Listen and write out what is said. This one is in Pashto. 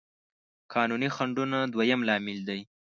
قانوني خنډونه دويم لامل دی.